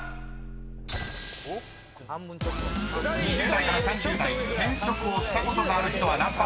［２０代から３０代転職をしたことがある人は何％か］